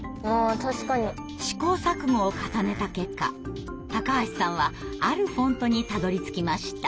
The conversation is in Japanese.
試行錯誤を重ねた結果橋さんはあるフォントにたどりつきました。